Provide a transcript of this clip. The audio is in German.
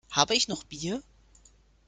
Habe ich noch Bier?